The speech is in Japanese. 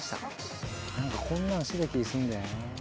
何かこんなんしてた気すんだよな。